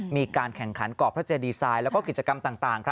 มีการแข่งขันก่อพระเจดีไซน์แล้วก็กิจกรรมต่าง